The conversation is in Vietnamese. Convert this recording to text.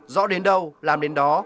rõ đến đâu làm đến đó